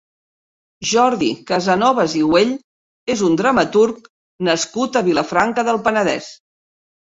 Jordi Casanovas i Güell és un dramaturg nascut a Vilafranca del Penedès.